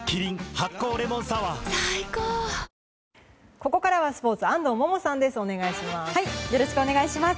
ここからはスポーツ安藤萌々さんです。